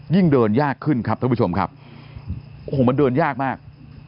ยิ่งเดินยากขึ้นครับท่านผู้ชมครับโอ้โหมันเดินยากมาก